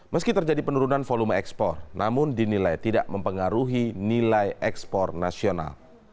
meski terjadi penurunan volume ekspor namun dinilai tidak mempengaruhi nilai ekspor nasional